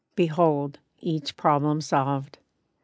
Behold each problem solved.